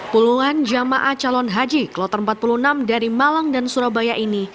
puluhan jamaah calon haji kloter empat puluh enam dari malang dan surabaya ini